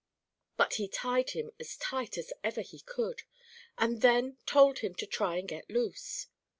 But he tied him as tight as ever he could, and then told him to try and get loose.